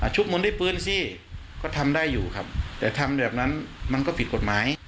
ชุบมันด้วยปืนสิก็ทำได้อยู่ครับแต่ทำแบบนั้นมันก็ผิดกฎหมาย